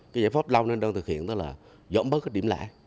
cái giải pháp lâu nên đơn thực hiện đó là dọn bớt cái điểm lẽ